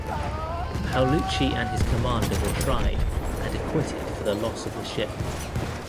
Paulucci and his commander were tried and acquitted for the loss of the ship.